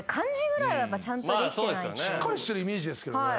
しっかりしてるイメージですけどね。